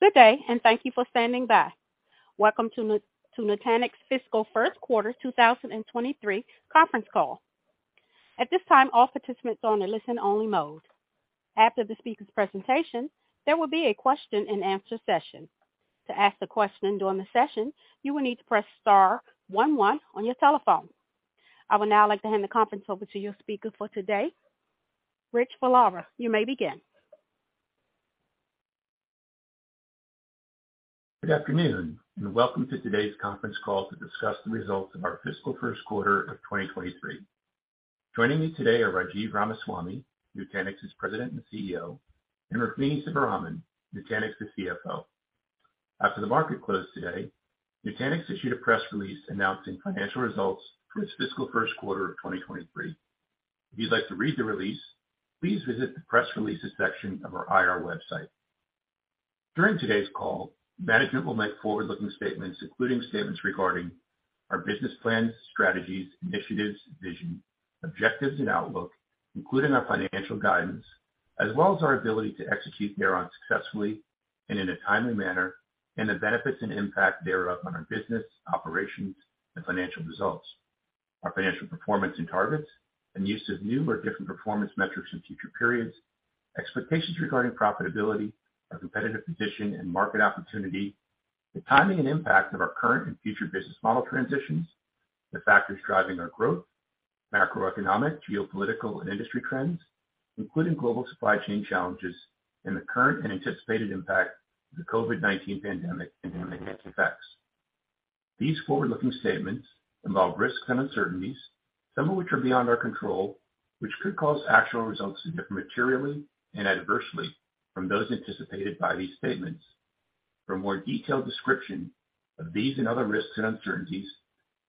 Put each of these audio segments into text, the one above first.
Good day, thank you for standing by. Welcome to Nutanix fiscal Q1 2023 conference call. At this time, all participants are on a listen only mode. After the speaker's presentation, there will be a question and answer session. To ask the question during the session, you will need to press star 11 on your telephone. I would now like to hand the conference over to your speaker for today, Rich Valera. You may begin. Good afternoon, welcome to today's conference call to discuss the results of our fiscal Q1 of 2023. Joining me today are Rajiv Ramaswami, Nutanix's President and CEO, and Rukmini Sivaraman, Nutanix's CFO. After the market closed today, Nutanix issued a press release announcing financial results for its fiscal Q1 of 2023. If you'd like to read the release, please visit the press releases section of our IR website. During today's call, management will make forward-looking statements, including statements regarding our business plans, strategies, initiatives, vision, objectives and outlook, including our financial guidance, as well as our ability to execute thereon successfully and in a timely manner, and the benefits and impact thereof on our business, operations, and financial results, our financial performance and targets, and use of new or different performance metrics in future periods, expectations regarding profitability, our competitive position and market opportunity, the timing and impact of our current and future business model transitions, the factors driving our growth, macroeconomic, geopolitical, and industry trends, including global supply chain challenges, and the current and anticipated impact of the COVID-19 pandemic and pandemic effects. These forward-looking statements involve risks and uncertainties, some of which are beyond our control, which could cause actual results to differ materially and adversely from those anticipated by these statements. For a more detailed description of these and other risks and uncertainties,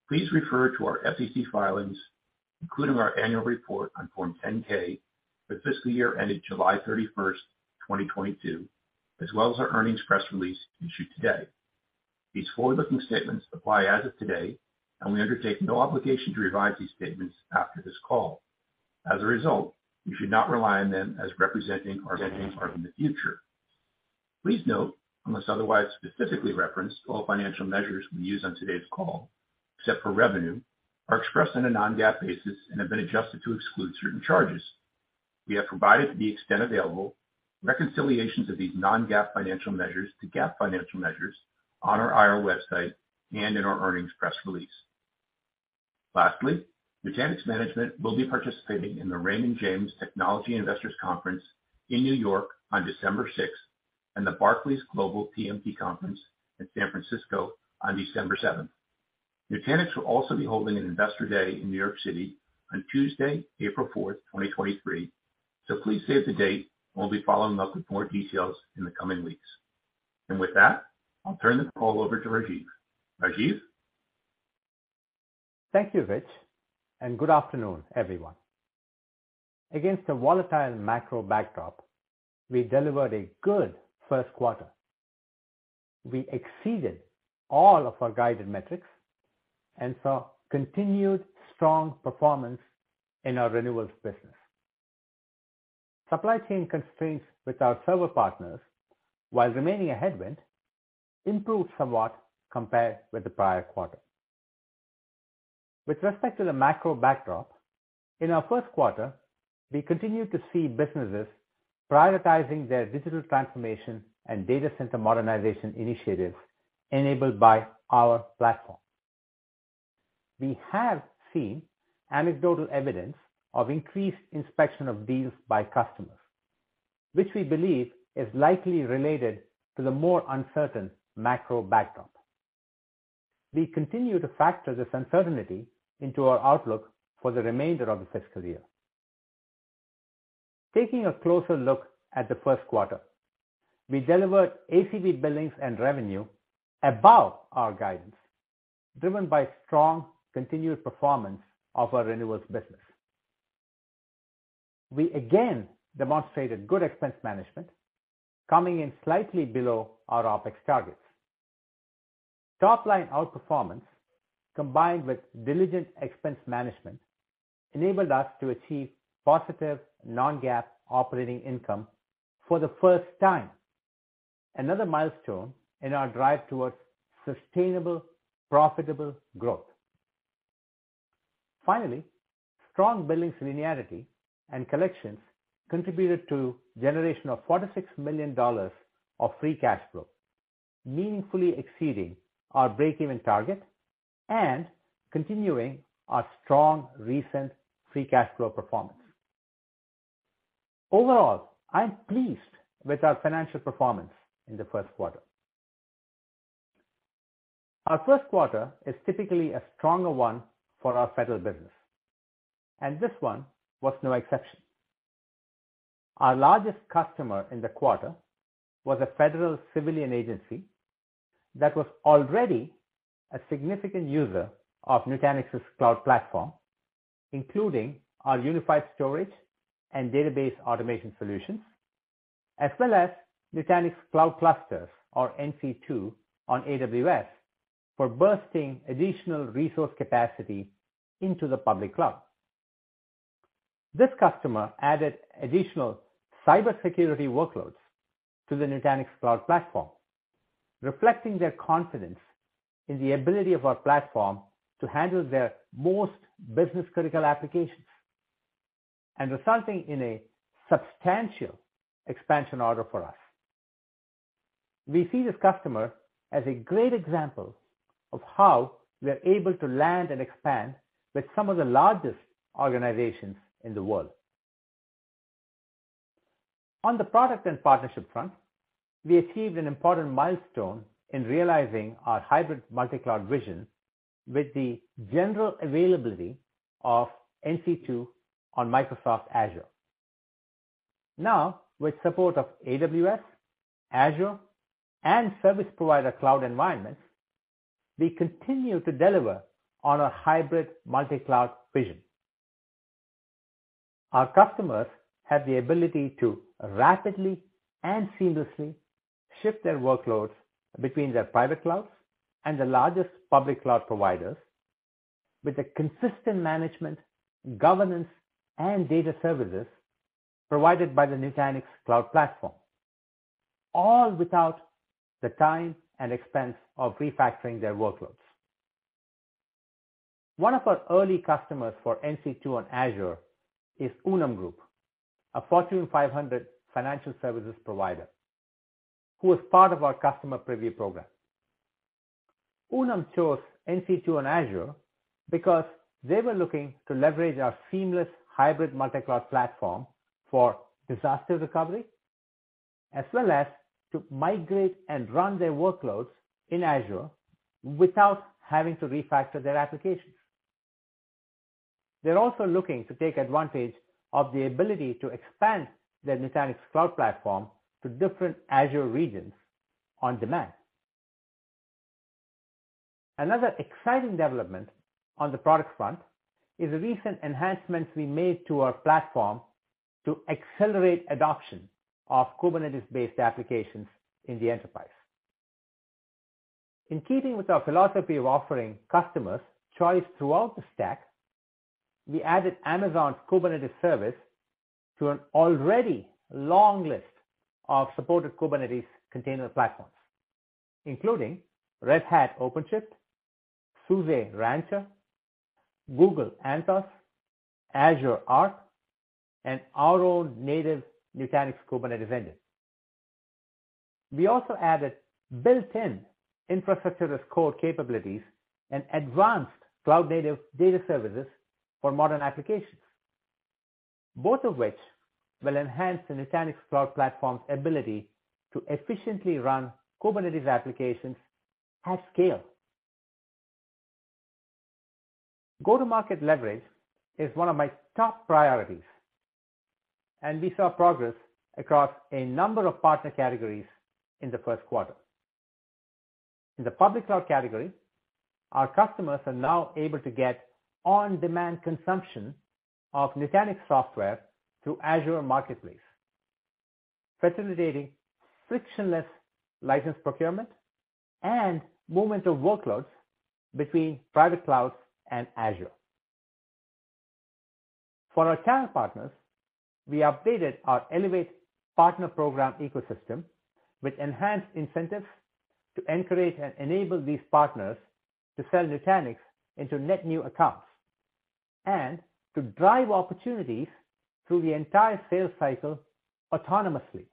please refer to our SEC filings, including our annual report on Form 10-K for the fiscal year ended July 31st 2022, as well as our earnings press release issued today. These forward-looking statements apply as of today. We undertake no obligation to revise these statements after this call. As a result, you should not rely on them as representing our views in the future. Please note, unless otherwise specifically referenced, all financial measures we use on today's call, except for revenue, are expressed on a non-GAAP basis and have been adjusted to exclude certain charges. We have provided, to the extent available, reconciliations of these non-GAAP financial measures to GAAP financial measures on our IR website and in our earnings press release. Lastly, Nutanix management will be participating in the Raymond James Technology Investors Conference in New York on December sixth, and the Barclays Global TMT Conference in San Francisco on December 7th. Nutanix will also be holding an Investor Day in New York City on Tuesday, April 4th 2023. Please save the date. We'll be following up with more details in the coming weeks. With that, I'll turn the call over to Rajiv. Rajiv. Thank you, Rich. Good afternoon, everyone. Against a volatile macro backdrop, we delivered a good Q1. We exceeded all of our guided metrics and saw continued strong performance in our renewables business. Supply chain constraints with our server partners, while remaining a headwind, improved somewhat compared with the prior quarter. With respect to the macro backdrop, in our Q1, we continued to see businesses prioritizing their digital transformation and data center modernization initiatives enabled by our platform. We have seen anecdotal evidence of increased inspection of deals by customers, which we believe is likely related to the more uncertain macro backdrop. We continue to factor this uncertainty into our outlook for the remainder of the fiscal year. Taking a closer look at the Q1. We delivered ACV billings and revenue above our guidance, driven by strong, continued performance of our renewables business. We again demonstrated good expense management, coming in slightly below our OpEx targets. Top line outperformance, combined with diligent expense management, enabled us to achieve positive non-GAAP operating income for the first time, another milestone in our drive towards sustainable, profitable growth. Finally, strong billings linearity and collections contributed to generation of $46 million of free cash flow, meaningfully exceeding our breakeven target and continuing our strong recent free cash flow performance. Overall, I'm pleased with our financial performance in the Q1. Our Q1 is typically a stronger one for our federal business, and this one was no exception. Our largest customer in the quarter was a federal civilian agency that was already a significant user of Nutanix Cloud Platform, including our Unified Storage and database automation solutions, as well as Nutanix Cloud Clusters or NC2 on AWS for bursting additional resource capacity into the public cloud. This customer added additional cybersecurity workloads to the Nutanix Cloud Platform, reflecting their confidence in the ability of our platform to handle their most business-critical applications and resulting in a substantial expansion order for us. We see this customer as a great example of how we are able to land and expand with some of the largest organizations in the world. On the product and partnership front, we achieved an important milestone in realizing our hybrid multi-cloud vision with the general availability of NC2 on Microsoft Azure. Now, with support of AWS, Azure, and service provider cloud environments, we continue to deliver on our hybrid multi-cloud vision. Our customers have the ability to rapidly and seamlessly shift their workloads between their private clouds and the largest public cloud providers with the consistent management, governance, and data services provided by the Nutanix Cloud Platform, all without the time and expense of refactoring their workloads. One of our early customers for NC2 on Azure is Unum Group, a Fortune 500 financial services provider who is part of our customer preview program. Unum chose NC2 on Azure because they were looking to leverage our seamless hybrid multi-cloud platform for disaster recovery as well as to migrate and run their workloads in Azure without having to refactor their applications. They're also looking to take advantage of the ability to expand their Nutanix Cloud Platform to different Azure regions on demand. Another exciting development on the product front is the recent enhancements we made to our platform to accelerate adoption of Kubernetes-based applications in the enterprise. In keeping with our philosophy of offering customers choice throughout the stack, we added Amazon's Kubernetes service to an already long list of supported Kubernetes container platforms, including Red Hat OpenShift, SUSE Rancher, Google Anthos, Azure Arc, and our own native Nutanix Kubernetes Engine. We also added built-in infrastructure as code capabilities and advanced cloud-native data services for modern applications, both of which will enhance the Nutanix Cloud Platform's ability to efficiently run Kubernetes applications at scale. Go-to-market leverage is one of my top priorities. We saw progress across a number of partner categories in the Q1. In the public cloud category, our customers are now able to get on-demand consumption of Nutanix software through Azure Marketplace, facilitating frictionless license procurement and movement of workloads between private clouds and Azure. For our channel partners, we updated our Elevate Partner Program ecosystem with enhanced incentives to encourage and enable these partners to sell Nutanix into net new accounts and to drive opportunities through the entire sales cycle autonomously.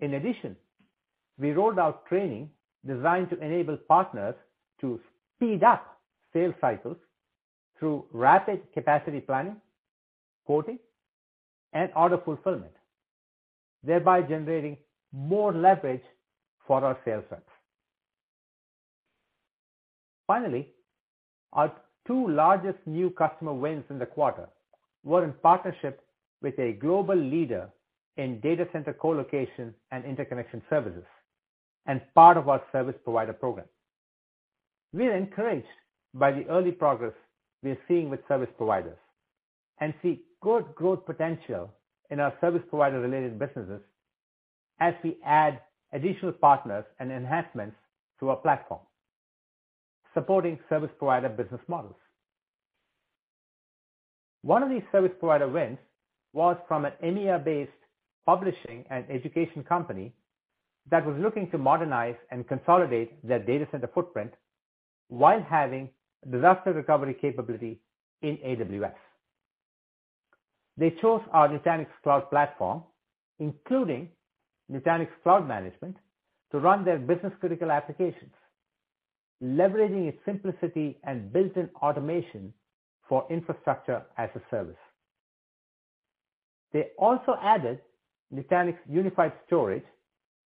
We rolled out training designed to enable partners to speed up sales cycles through rapid capacity planning, quoting, and order fulfillment, thereby generating more leverage for our sales reps. Finally, our two largest new customer wins in the quarter were in partnership with a global leader in data center colocation and interconnection services and part of our service provider program. We are encouraged by the early progress we are seeing with service providers and see good growth potential in our service provider-related businesses as we add additional partners and enhancements to our platform supporting service provider business models. One of these service provider wins was from an EMEA-based publishing and education company that was looking to modernize and consolidate their data center footprint while having disaster recovery capability in AWS. They chose our Nutanix Cloud Platform, including Nutanix Cloud Management, to run their business-critical applications, leveraging its simplicity and built-in automation for infrastructure as a service. They also added Nutanix Unified Storage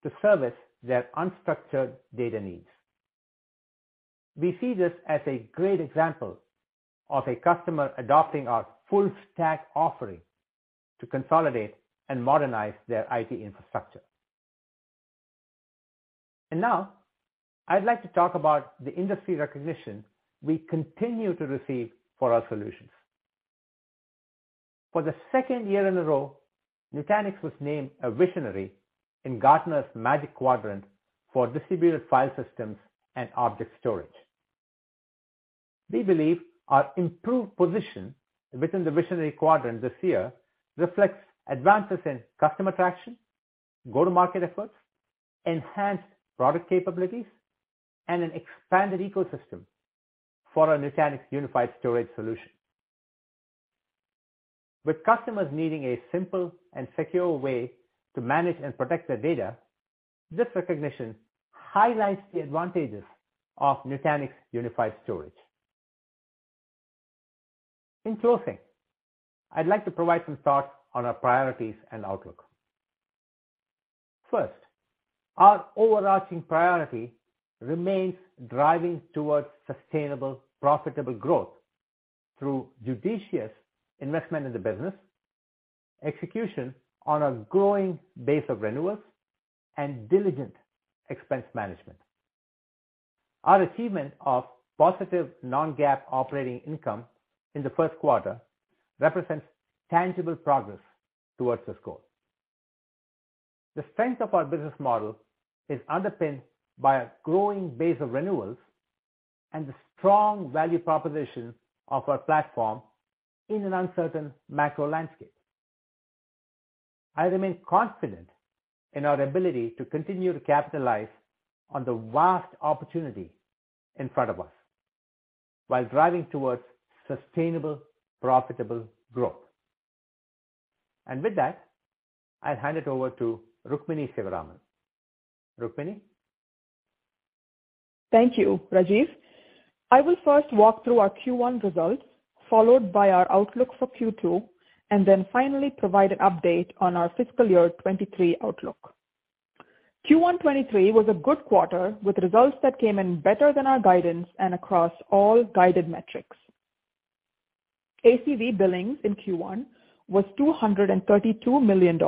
to service their unstructured data needs. We see this as a great example of a customer adopting our full stack offering to consolidate and modernize their IT infrastructure. Now I'd like to talk about the industry recognition we continue to receive for our solutions. For the second year in a row Nutanix was named a visionary in Gartner's Magic Quadrant for distributed file systems and object storage. We believe our improved position within the visionary quadrant this year reflects advances in customer traction, go-to-market efforts, enhanced product capabilities, and an expanded ecosystem for our Nutanix Unified Storage solution. With customers needing a simple and secure way to manage and protect their data, this recognition highlights the advantages of Nutanix Unified Storage. In closing, I'd like to provide some thoughts on our priorities and outlook. First, our overarching priority remains driving towards sustainable, profitable growth through judicious investment in the business, execution on a growing base of renewals, and diligent expense management. Our achievement of positive non-GAAP operating income in the Q1 represents tangible progress towards this goal. The strength of our business model is underpinned by a growing base of renewals and the strong value proposition of our platform in an uncertain macro landscape. I remain confident in our ability to continue to capitalize on the vast opportunity in front of us while driving towards sustainable, profitable growth. With that, I'll hand it over to Rukmini Sivaraman. Rukmini. Thank you, Rajiv. I will first walk through our Q1 results, followed by our outlook for Q2, and then finally provide an update on our fiscal year 2023 outlook. Q1 2023 was a good quarter, with results that came in better than our guidance and across all guided metrics. ACV billings in Q1 was $232 million,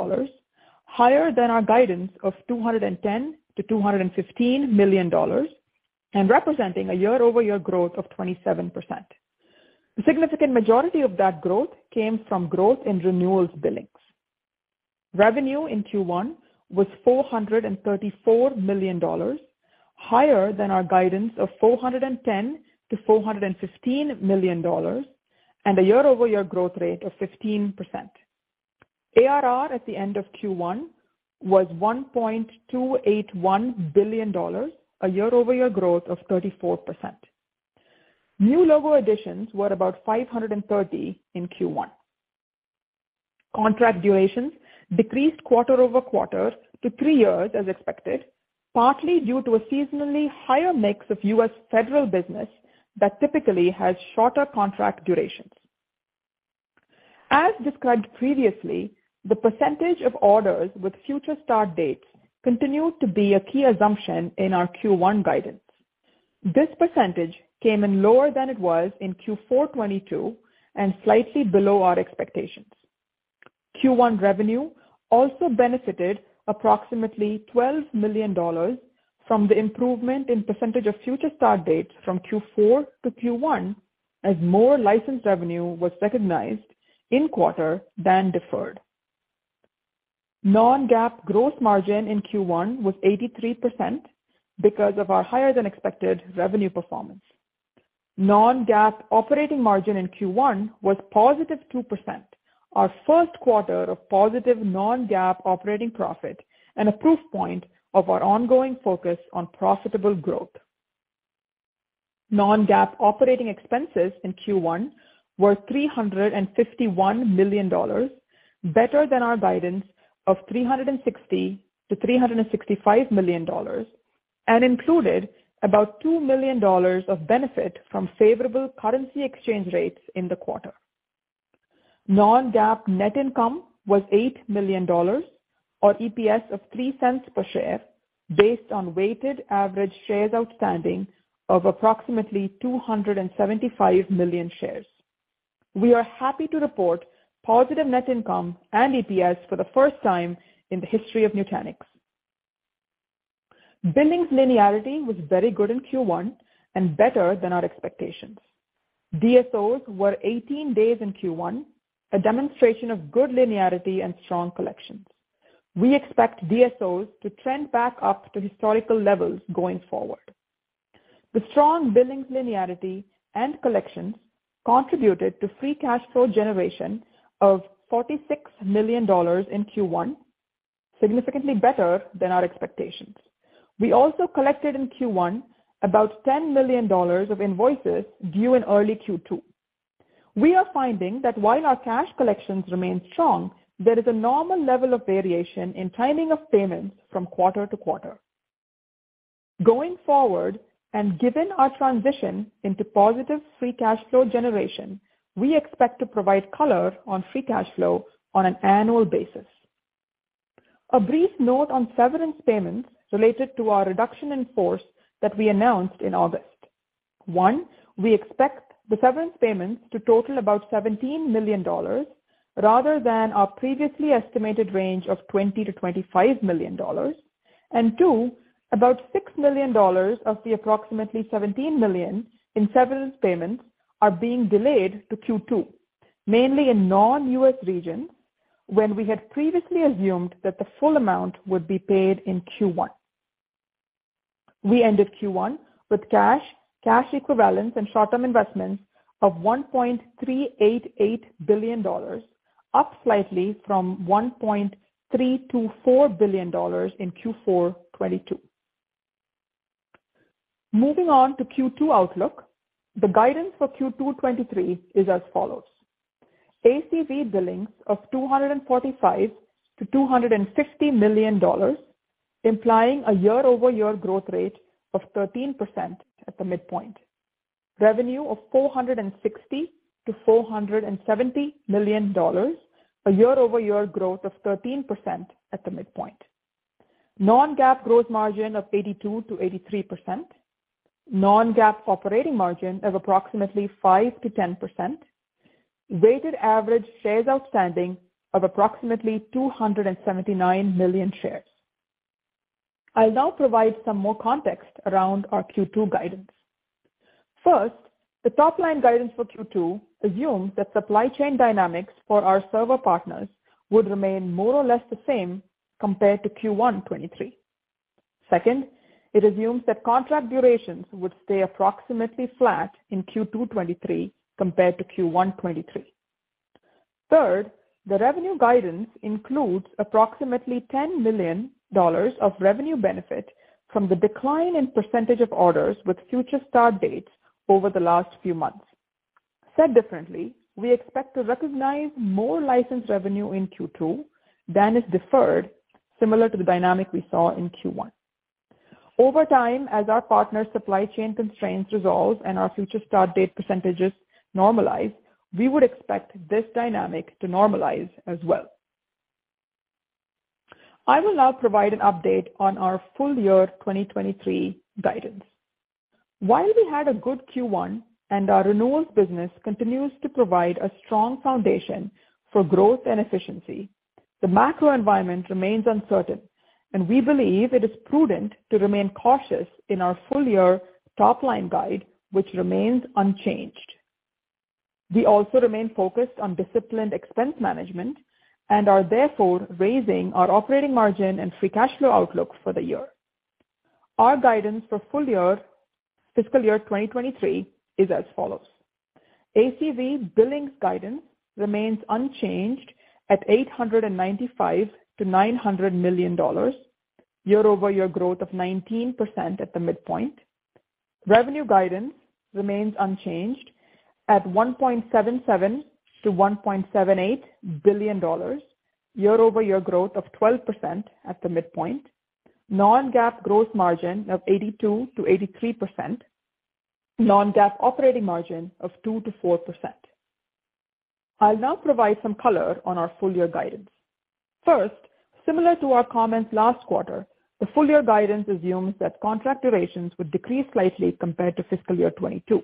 higher than our guidance of $210 million-$215 million, and representing a year-over-year growth of 27%. The significant majority of that growth came from growth in renewals billings. Revenue in Q1 was $434 million, higher than our guidance of $410 million-$415 million, and a year-over-year growth rate of 15%. ARR at the end of Q1 was $1.281 billion, a year-over-year growth of 34%. New logo additions were about 530 in Q1. Contract durations decreased quarter-over-quarter to three years as expected, partly due to a seasonally higher mix of U.S. federal business that typically has shorter contract durations. As described previously, the percentage of orders with future start dates continued to be a key assumption in our Q1 guidance. This percentage came in lower than it was in Q4 2022, and slightly below our expectations. Q1 revenue also benefited approximately $12 million from the improvement in percentage of future start dates from Q4 to Q1 as more licensed revenue was recognized in quarter than deferred. non-GAAP growth margin in Q1 was 83% because of our higher than expected revenue performance. Non-GAAP operating margin in Q1 was positive 2%, our Q1 of positive non-GAAP operating profit, and a proof point of our ongoing focus on profitable growth. Non-GAAP operating expenses in Q1 were $351 million, better than our guidance of $360 million-$365 million, and included about $2 million of benefit from favorable currency exchange rates in the quarter. Non-GAAP net income was $8 million or EPS of $0.03 per share based on weighted average shares outstanding of approximately 275,000,000 shares. We are happy to report positive net income and EPS for the first time in the history of Nutanix. Billings linearity was very good in Q1 and better than our expectations. DSOs were 18 days in Q1, a demonstration of good linearity and strong collections. We expect DSOs to trend back up to historical levels going forward. The strong billings linearity and collections contributed to free cash flow generation of $46 million in Q1, significantly better than our expectations. We also collected in Q1 about $10 million of invoices due in early Q2. We are finding that while our cash collections remain strong, there is a normal level of variation in timing of payments from quarter to quarter. Going forward, and given our transition into positive free cash flow generation, we expect to provide color on free cash flow on an annual basis. A brief note on severance payments related to our reduction in force that we announced in August. One, we expect the severance payments to total about $17 million rather than our previously estimated range of $20 million-$25 million. Two, about $6 million of the approximately $17 million in severance payments are being delayed to Q2, mainly in non-U.S. regions, when we had previously assumed that the full amount would be paid in Q1. We ended Q1 with cash equivalents and short-term investments of $1.388 billion, up slightly from $1.324 billion in Q4 2022. Moving on to Q2 outlook. The guidance for Q2 2023 is as follows: ACV billings of $245 million-$250 million, implying a year-over-year growth rate of 13% at the midpoint. Revenue of $460 million-$470 million, a year-over-year growth of 13% at the midpoint. Non-GAAP growth margin of 82%-83%. Non-GAAP operating margin of approximately 5%-10%. Weighted average shares outstanding of approximately 279,000,000 shares. I'll now provide some more context around our Q2 guidance. First, the top-line guidance for Q2 assumes that supply chain dynamics for our server partners would remain more or less the same compared to Q1 2023. Second, it assumes that contract durations would stay approximately flat in Q2 2023 compared to Q1 2023. Third, the revenue guidance includes approximately $10 million of revenue benefit from the decline in percentage of orders with future start dates over the last few months. Said differently, we expect to recognize more license revenue in Q2 than is deferred, similar to the dynamic we saw in Q1. Over time, as our partners' supply chain constraints resolve and our future start date percentages normalize, we would expect this dynamic to normalize as well. I will now provide an update on our full year 2023 guidance. While we had a good Q1 and our renewals business continues to provide a strong foundation for growth and efficiency, the macro environment remains uncertain, and we believe it is prudent to remain cautious in our full year top-line guide, which remains unchanged. We also remain focused on disciplined expense management and are therefore raising our operating margin and free cash flow outlook for the year. Our guidance for full year fiscal year 2023 is as follows: ACV billings guidance remains unchanged at $895 million-$900 million, year-over-year growth of 19% at the midpoint. Revenue guidance remains unchanged at $1.77 billion-$1.78 billion, year-over-year growth of 12% at the midpoint. non-GAAP growth margin of 82%-83%. non-GAAP operating margin of 2%-4%. I'll now provide some color on our full year guidance. First, similar to our comments last quarter, the full year guidance assumes that contract durations would decrease slightly compared to fiscal year 2022.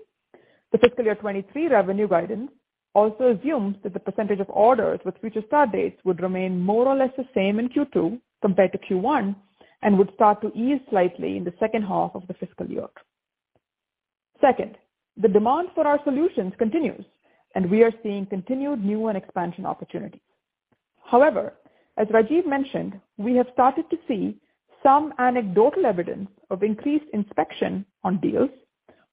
The fiscal year 2023 revenue guidance also assumes that the percentage of orders with future start dates would remain more or less the same in Q2 compared to Q1 and would start to ease slightly in the second half of the fiscal year. Second, the demand for our solutions continues, we are seeing continued new and expansion opportunities. However, as Rajiv mentioned, we have started to see some anecdotal evidence of increased inspection on deals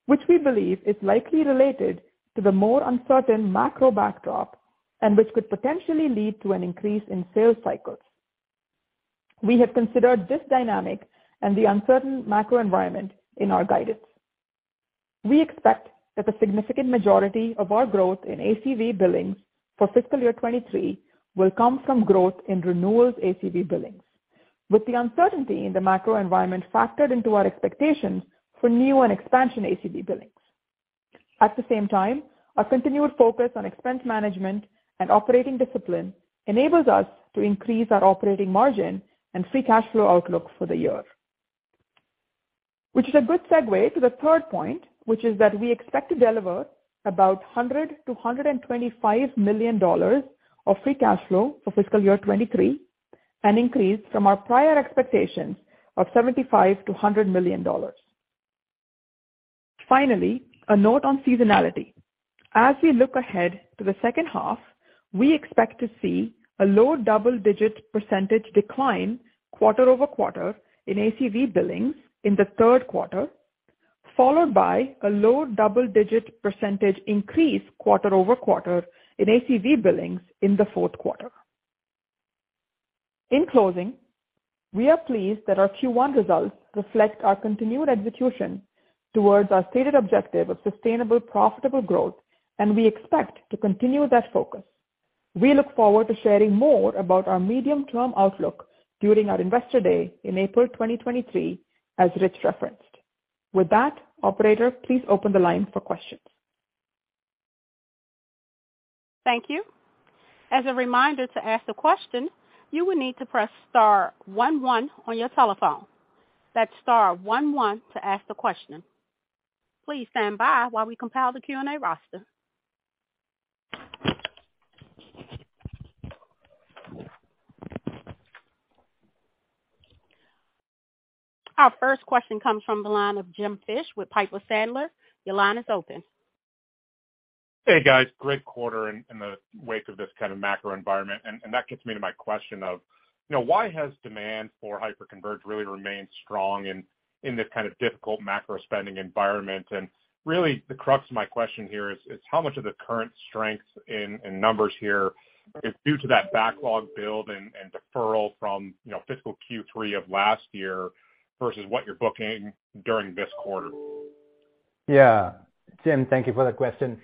which we believe is likely related to the more uncertain macro backdrop, which could potentially lead to an increase in sales cycles. We have considered this dynamic and the uncertain macro environment in our guidance. We expect that the significant majority of our growth in ACV billings for fiscal year 2023 will come from growth in renewals ACV billings, with the uncertainty in the macro environment factored into our expectations for new and expansion ACV billings. At the same time, our continued focus on expense management and operating discipline enables us to increase our operating margin and free cash flow outlook for the year. Which is a good segue to the third point, which is that we expect to deliver about $100 million-$125 million of free cash flow for fiscal year 2023, an increase from our prior expectations of $75 million-$100 million. Finally, a note on seasonality. As we look ahead to the second half, we expect to see a low double-digit % decline quarter-over-quarter in ACV billings in the Q3, followed by a low double-digit % increase quarter-over-quarter in ACV billings in the Q4. In closing, we are pleased that our Q1 results reflect our continued execution towards our stated objective of sustainable, profitable growth. We expect to continue that focus. We look forward to sharing more about our medium-term outlook during our Investor Day in April 2023, as Rich referenced. With that, operator, please open the line for questions. Thank you. As a reminder, to ask a question, you will need to press star one one on your telephone. That's star one one to ask a question. Please stand by while we compile the Q&A roster. Our first question comes from the line of Jim Fish with Piper Sandler. Your line is open. Hey, guys. Great quarter in the wake of this kind of macro environment. That gets me to my question of, you know, why has demand for hyperconverged really remained strong in this kind of difficult macro spending environment? Really the crux of my question here is how much of the current strength in numbers here is due to that backlog build and deferral from, you know, fiscal Q3 of last year versus what you're booking during this quarter? Yeah. Jim, thank you for the question.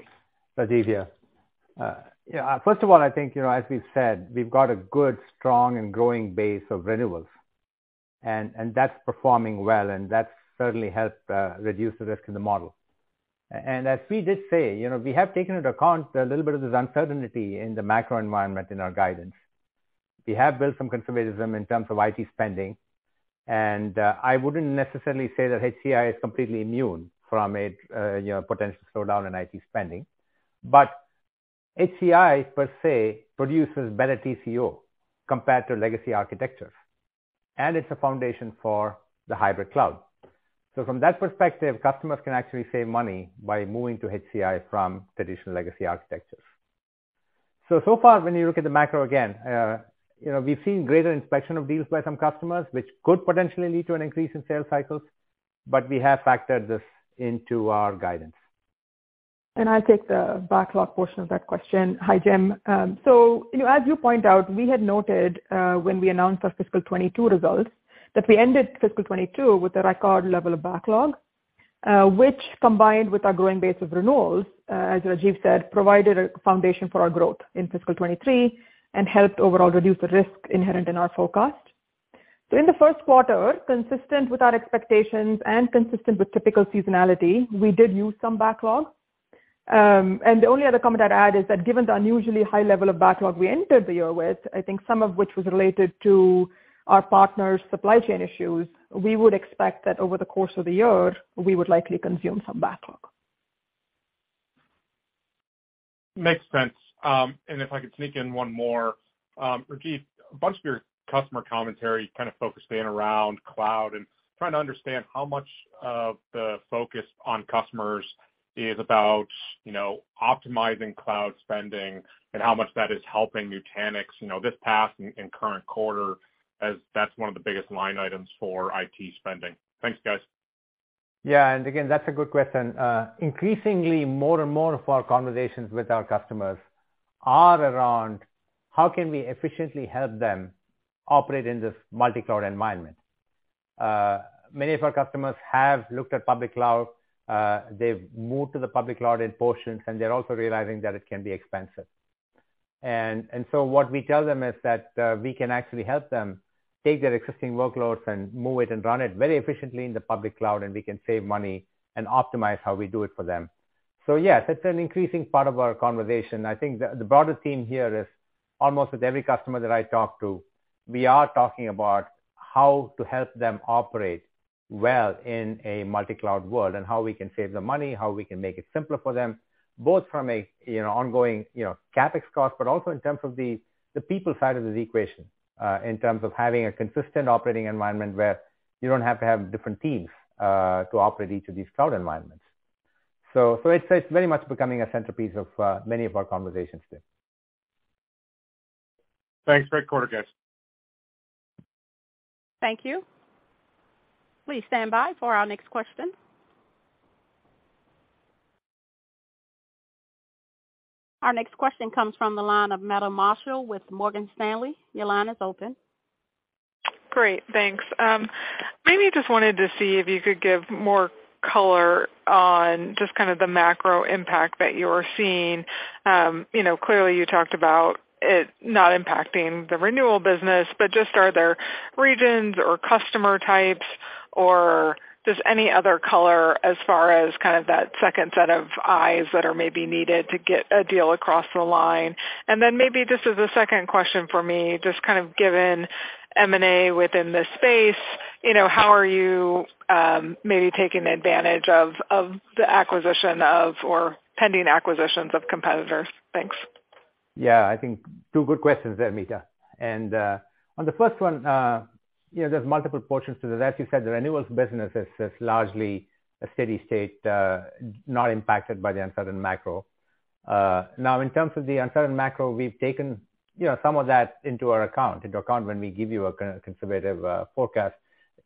Rajiv here. First of all, I think, you know, as we've said, we've got a good, strong and growing base of renewals and that's performing well and that's certainly helped reduce the risk in the model. As we did say, you know, we have taken into account a little bit of this uncertainty in the macro environment in our guidance. We have built some conservatism in terms of IT spending. I wouldn't necessarily say that HCI is completely immune from a, you know, potential slowdown in IT spending. HCI per se produces better TCO compared to legacy architectures, and it's a foundation for the hybrid cloud. From that perspective, customers can actually save money by moving to HCI from traditional legacy architectures. So far when you look at the macro again, you know, we've seen greater inspection of deals by some customers which could potentially lead to an increase in sales cycles, but we have factored this into our guidance. I take the backlog portion of that question. Hi, Jim. You know, as you point out, we had noted, when we announced our fiscal 2022 results that we ended fiscal 2022 with a record level of backlog, which combined with our growing base of renewals, as Rajiv said, provided a foundation for our growth in fiscal 2023 and helped overall reduce the risk inherent in our forecast. In the Q1, consistent with our expectations and consistent with typical seasonality, we did use some backlog. The only other comment I'd add is that given the unusually high level of backlog we entered the year with, I think some of which was related to our partners' supply chain issues, we would expect that over the course of the year we would likely consume some backlog. Makes sense. If I could sneak in one more. Rajiv, a bunch of your customer commentary kind of focused in around cloud, and trying to understand how much of the focus on customers is about, you know, optimizing cloud spending and how much that is helping Nutanix, you know, this past and current quarter as that's one of the biggest line items for IT spending. Thanks, guys. Yeah. That's a good question. Increasingly, more and more of our conversations with our customers are around how can we efficiently help them operate in this multi-cloud environment. Many of our customers have looked at public cloud. They've moved to the public cloud in portions, and they're also realizing that it can be expensive. What we tell them is that, we can actually help them take their existing workloads and move it and run it very efficiently in the public cloud, and we can save money and optimize how we do it for them. Yes, it's an increasing part of our conversation. I think the broader theme here is almost with every customer that I talk to, we are talking about how to help them operate well in a multi-cloud world and how we can save them money, how we can make it simpler for them, both from a, you know, ongoing, you know, CapEx cost, but also in terms of the people side of this equation, in terms of having a consistent operating environment where you don't have to have different teams, to operate each of these cloud environments. It's, it's very much becoming a centerpiece of many of our conversations there. Thanks. Great quarter, guys. Thank you. Please stand by for our next question. Our next question comes from the line of Meta Marshall with Morgan Stanley. Your line is open. Great, thanks. maybe just wanted to see if you could give more color on just kind of the macro impact that you're seeing. you know, clearly you talked about it not impacting the renewal business, but just are there regions or customer types or just any other color as far as kind of that second set of eyes that are maybe needed to get a deal across the line? Maybe this is the second question for me, just kind of given M&A within the space, you know, how are you, maybe taking advantage of the acquisition of or pending acquisitions of competitors? Thanks. Yeah, I think two good questions there, Meta. On the first one, you know, there's multiple portions to that. As you said, the renewals business is largely a steady-state, not impacted by the uncertain macro. Now, in terms of the uncertain macro, we've taken, you know, some of that into our account, into account when we give you a conservative forecast.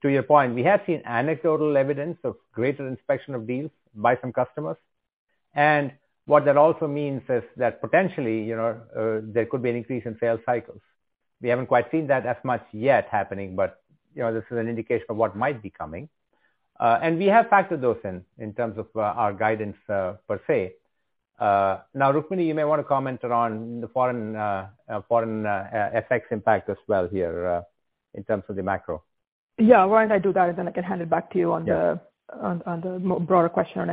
To your point, we have seen anecdotal evidence of greater inspection of deals by some customers. What that also means is that potentially, you know, there could be an increase in sales cycles. We haven't quite seen that as much yet happening, but, you know, this is an indication of what might be coming. We have factored those in in terms of our guidance per se. Now, Rukmini, you may want to comment on the foreign, FX impact as well here, in terms of the macro. Yeah. Why don't I do that, and then I can hand it back to you on the- Yeah. On the broader question on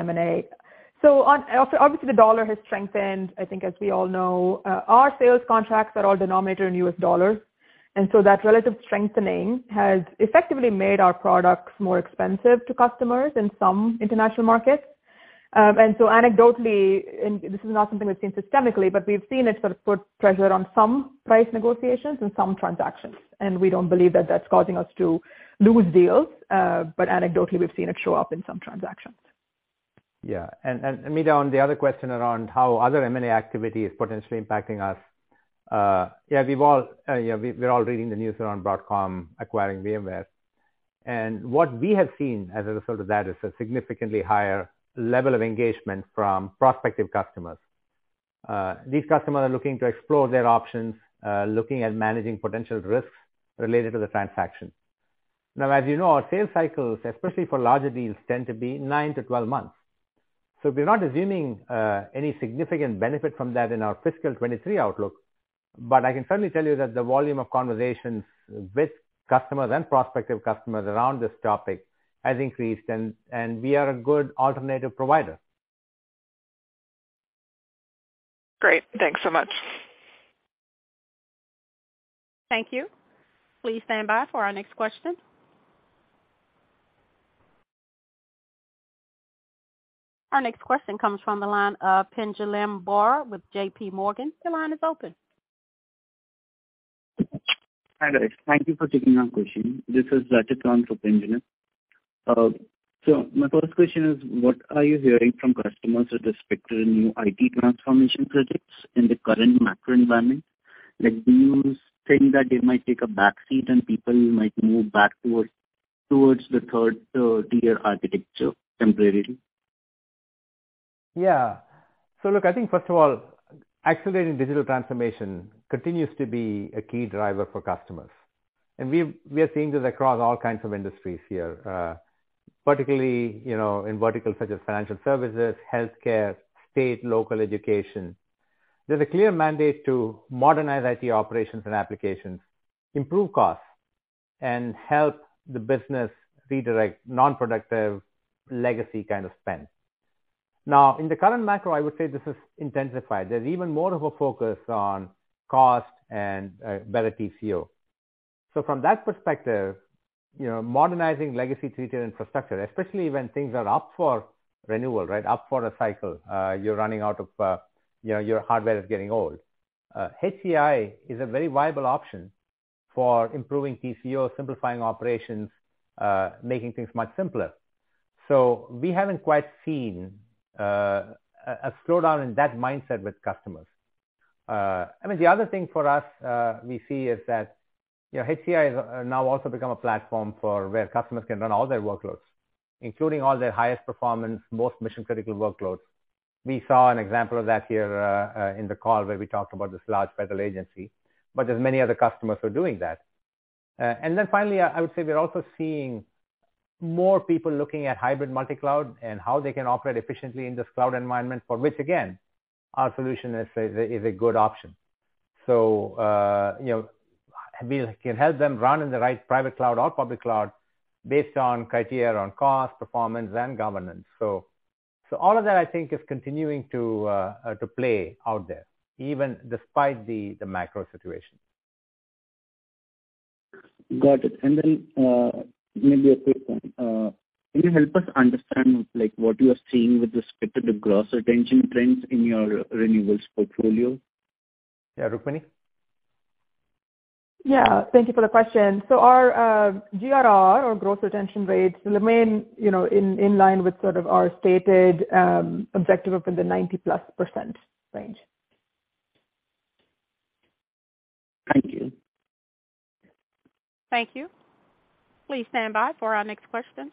M&A. Obviously, the dollar has strengthened, I think as we all know. Our sales contracts are all denominated in U.S. dollars, that relative strengthening has effectively made our products more expensive to customers in some international markets. Anecdotally, and this is not something we've seen systemically, but we've seen it sort of put pressure on some price negotiations and some transactions, and we don't believe that that's causing us to lose deals. Anecdotally, we've seen it show up in some transactions. Yeah and Meta, on the other question around how other M&A activity is potentially impacting us, yeah, you know, we're all reading the news around Broadcom acquiring VMware. What we have seen as a result of that is a significantly higher level of engagement from prospective customers. These customers are looking to explore their options, looking at managing potential risks related to the transaction. Now, as you know, our sales cycles, especially for larger deals, tend to be nine to 12 months. We're not assuming any significant benefit from that in our fiscal 2023 outlook. I can certainly tell you that the volume of conversations with customers and prospective customers around this topic has increased and we are a good alternative provider. Great. Thanks so much. Thank you. Please stand by for our next question. Our next question comes from the line of Pinjalim Bora with JP Morgan. Your line is open. Hi, guys. Thank you for taking my question. This is Ratikant for Pinjalim. My first question is, what are you hearing from customers with respect to the new IT transformation projects in the current macro environment? Like, do you think that they might take a back seat and people might move back towards the third tier architecture temporarily? Look, I think first of all, accelerating digital transformation continues to be a key driver for customers. We are seeing this across all kinds of industries here, particularly, you know, in verticals such as financial services, healthcare, state, local education. There's a clear mandate to modernize IT operations and applications, improve costs, and help the business redirect non-productive legacy kind of spend. In the current macro, I would say this is intensified. There's even more of a focus on cost and better TCO. From that perspective, you know, modernizing legacy treated infrastructure, especially when things are up for renewal, right? Up for a cycle, you're running out of, you know, your hardware is getting old. HCI is a very viable option for improving TCO, simplifying operations, making things much simpler. We haven't quite seen a slowdown in that mindset with customers. I mean, the other thing for us, we see is that, you know, HCI has now also become a platform for where customers can run all their workloads, including all their highest performance, most mission-critical workloads. We saw an example of that here in the call where we talked about this large federal agency, but there's many other customers who are doing that. Then finally, I would say we're also seeing more people looking at hybrid multicloud and how they can operate efficiently in this cloud environment for which, again, our solution is a good option. You know, we can help them run in the right private cloud or public cloud based on criteria around cost, performance, and governance. All of that, I think, is continuing to play out there, even despite the macro situation. Got it. Then, maybe a quick one. Can you help us understand, like, what you are seeing with respect to the gross retention trends in your renewables portfolio? Yeah, Rukmini? Yeah. Thank you for the question. Our GRR or gross retention rates will remain, you know, in line with sort of our stated objective of in the 90+% range. Thank you. Thank you. Please stand by for our next question.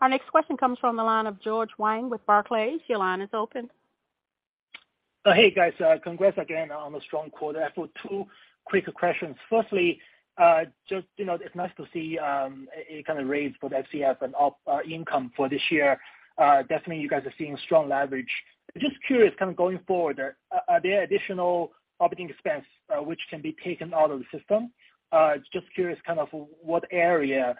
Our next question comes from the line of George Wang with Barclays. Your line is open. Hey, guys. Congrats again on a strong quarter. I've got two quick questions. Firstly, just, you know, it's nice to see a kind of raise for the FCF and up income for this year. Definitely you guys are seeing strong leverage. Just curious, kind of going forward, are there additional OpEx which can be taken out of the system? Just curious kind of what area,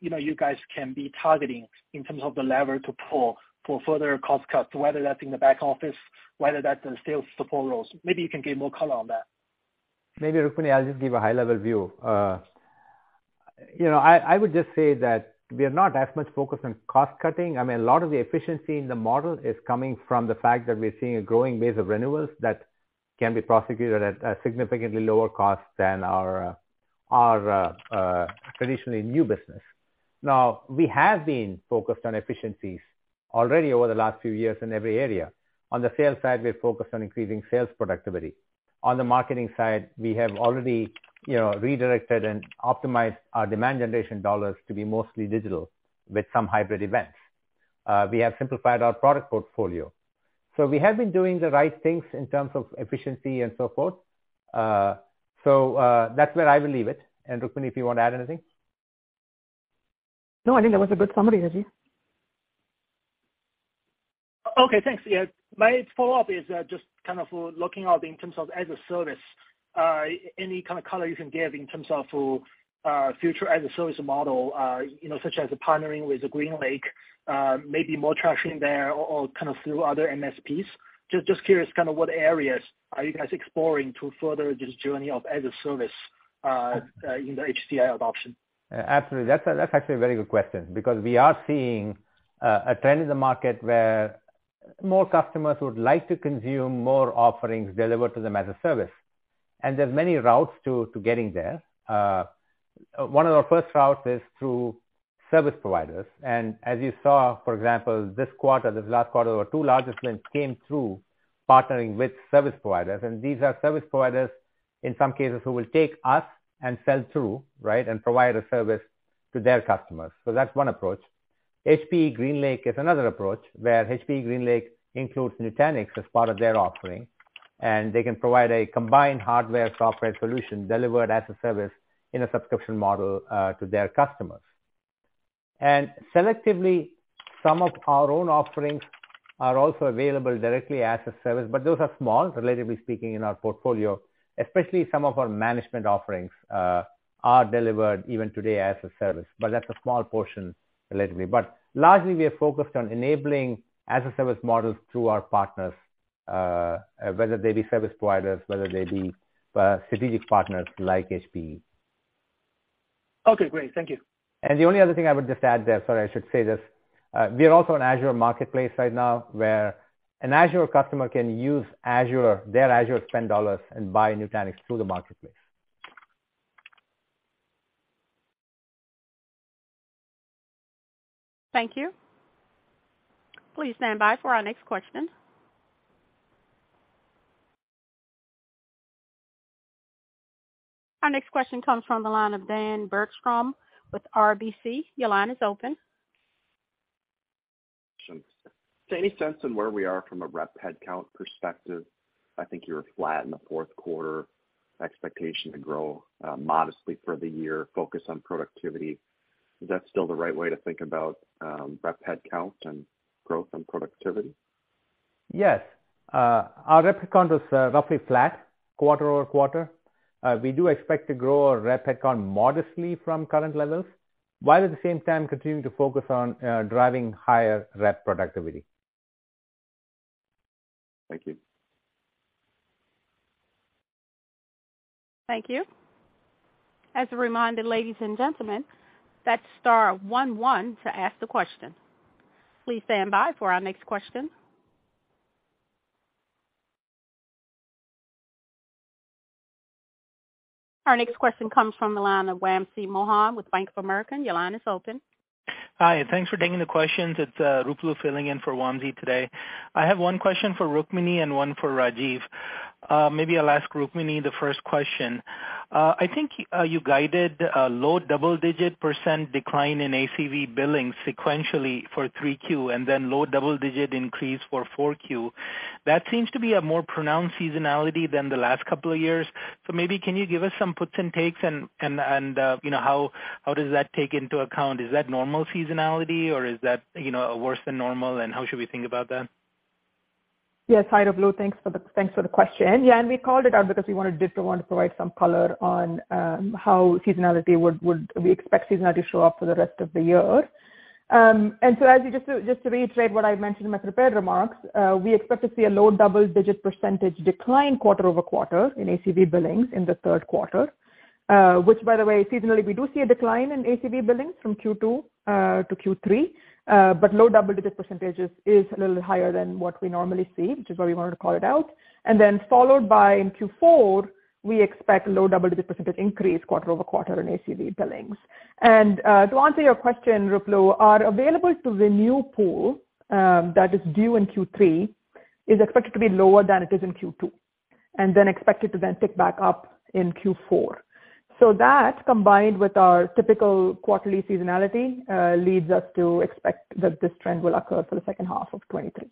you know, you guys can be targeting in terms of the lever to pull for further cost cuts, whether that's in the back office, whether that's in sales support roles. Maybe you can give more color on that. Maybe, Rukmini, I'll just give a high-level view. you know, I would just say that we are not as much focused on cost cutting. I mean, a lot of the efficiency in the model is coming from the fact that we're seeing a growing base of renewals that can be prosecuted at a significantly lower cost than our traditionally new business. Now, we have been focused on efficiencies already over the last few years in every area. On the sales side, we're focused on increasing sales productivity. On the marketing side, we have already, you know, redirected and optimized our demand generation dollars to be mostly digital with some hybrid events. We have simplified our product portfolio. We have been doing the right things in terms of efficiency and so forth. That's where I will leave it. Rukmini, if you want to add anything. No, I think that was a good summary, Rajiv. Okay, thanks. Yeah. My follow-up is, just kind of looking out in terms of as a service, any kind of color you can give in terms of future as a service model, you know, such as partnering with GreenLake, maybe more traction there or kind of through other MSPs. Just curious, kind of what areas are you guys exploring to further this journey of as a service in the HCI adoption? Absolutely. That's actually a very good question because we are seeing a trend in the market where more customers would like to consume more offerings delivered to them as a service. There's many routes to getting there. One of our first routes is through service providers. As you saw, for example, this quarter, this last quarter, our two largest wins came through partnering with service providers. These are service providers in some cases who will take us and sell through, right, and provide a service to their customers. That's one approach. HPE GreenLake is another approach, where HPE GreenLake includes Nutanix as part of their offering, and they can provide a combined hardware software solution delivered as a service in a subscription model to their customers. Selectively, some of our own offerings are also available directly as a service, but those are small, relatively speaking, in our portfolio. Especially some of our management offerings, are delivered even today as a service, but that's a small portion relatively. Largely, we are focused on enabling as a service models through our partners, whether they be service providers, whether they be, strategic partners like HPE. Okay, great. Thank you. The only other thing I would just add there. Sorry, I should say this. We are also an Azure Marketplace right now, where an Azure customer can use Azure, their Azure spend dollars and buy Nutanix through the marketplace. Thank you. Please stand by for our next question. Our next question comes from the line of Dan Bergstrom with RBC. Your line is open. Any sense on where we are from a rep headcount perspective? I think you were flat in the Q4, expectation to grow modestly for the year, focus on productivity. Is that still the right way to think about rep headcount and growth and productivity? Yes. Our rep headcount was roughly flat quarter-over-quarter. We do expect to grow our rep headcount modestly from current levels, while at the same time continuing to focus on driving higher rep productivity. Thank you. Thank you. As a reminder, ladies and gentlemen, that's star one one to ask the question. Please stand by for our next question. Our next question comes from the line of Wamsi Mohan with Bank of America. Your line is open. Hi. Thanks for taking the questions. It's Ruplu filling in for Wamsi today. I have one question for Rukmini and one for Rajiv. Maybe I'll ask Rukmini the first question. I think you guided a low double-digit percent decline in ACV billings sequentially for 3Q and then low double-digit increase for 4Q. That seems to be a more pronounced seasonality than the last couple of years. Maybe can you give us some puts and takes and, and, you know, how does that take into account? Is that normal seasonality or is that, you know, worse than normal, and how should we think about that? Yes. Hi, Ruplu. Thanks for the question. We called it out because we did want to provide some color on how seasonality would we expect seasonality to show up for the rest of the year. As you just to reiterate what I mentioned in my prepared remarks, we expect to see a low double-digit percentage decline quarter-over-quarter in ACV billings in the third quarter, which by the way, seasonally, we do see a decline in ACV billings from Q2 to Q3. Low double-digit percentage is a little higher than what we normally see, which is why we wanted to call it out. Followed by in Q4, we expect low double-digit percentage increase quarter-over-quarter in ACV billings. To answer your question, Ruplu, our available to renew pool, that is due in Q3, is expected to be lower than it is in Q2, and then expected to then pick back up in Q4. That combined with our typical quarterly seasonality, leads us to expect that this trend will occur for the second half of 2023.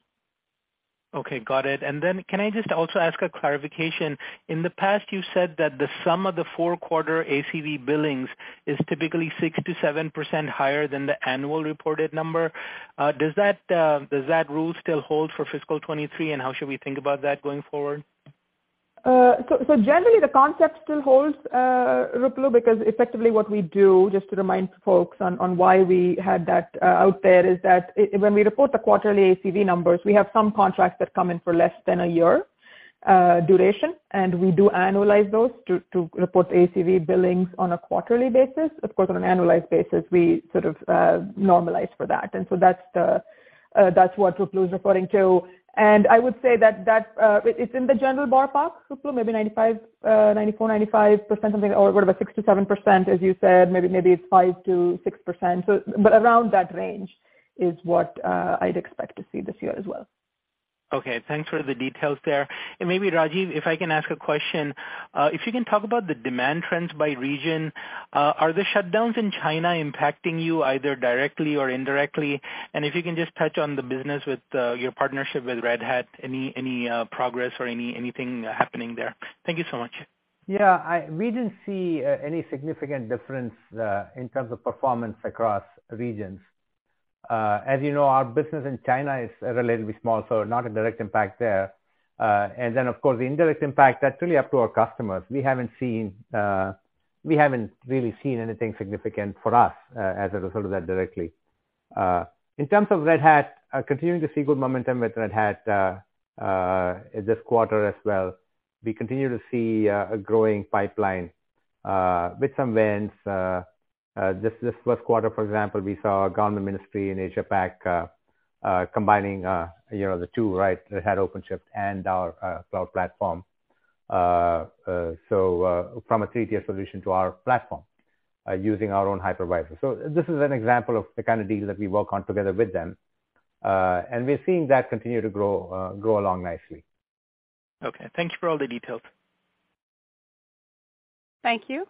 Okay, got it. Can I just also ask a clarification? In the past, you said that the sum of the four quarter ACV billings is typically 6%-7% higher than the annual reported number. Does that rule still hold for fiscal 2023, and how should we think about that going forward? So generally the concept still holds, Ruplu, because effectively what we do, just to remind folks on why we had that out there, is that when we report the quarterly ACV numbers, we have some contracts that come in for less than a year duration, and we do annualize those to report the ACV billings on a quarterly basis. Of course, on an annualized basis, we sort of normalize for that. That's the, that's what Ruplu is referring to. I would say that that, it's in the general ballpark, Ruplu, maybe 95, 94%-95% something or what about 6%-7%, as you said, maybe it's 5%-6%. But around that range is what I'd expect to see this year as well. Okay, thanks for the details there. Maybe Rajiv, if I can ask a question. If you can talk about the demand trends by region, are the shutdowns in China impacting you either directly or indirectly? If you can just touch on the business with your partnership with Red Hat, any progress or anything happening there? Thank you so much. Yeah, we didn't see any significant difference in terms of performance across regions. As you know, our business in China is relatively small, so not a direct impact there. Then of course, the indirect impact, that's really up to our customers. We haven't seen, we haven't really seen anything significant for us as a result of that directly. In terms of Red Hat, continuing to see good momentum with Red Hat this quarter as well. We continue to see a growing pipeline with some wins. This Q1, for example, we saw a government ministry in Asia Pac combining, you know, the two, right? Red Hat OpenShift and our cloud platform. So, from a 3-tier solution to our platform, using our own hypervisor. This is an example of the kind of deals that we work on together with them. We're seeing that continue to grow along nicely. Okay, thank you for all the details. Thank you.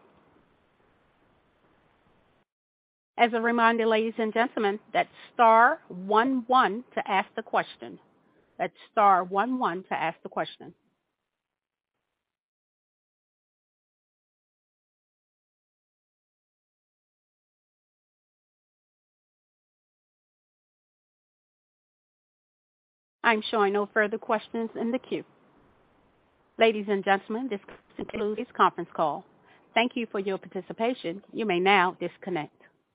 As a reminder, ladies and gentlemen, that's star one one to ask the question. That's star one one to ask the question. I'm showing no further questions in the queue. Ladies and gentlemen, this concludes conference call. Thank you for your participation. You may now disconnect.